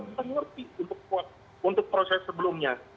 kita ngerti untuk proses sebelumnya